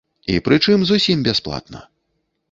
І прычым зусім бясплатна!